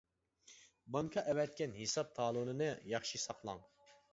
بانكا ئەۋەتكەن ھېساب تالونىنى ياخشى ساقلاڭ.